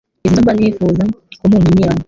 izi nizo mba ntifuza ko mu nkinira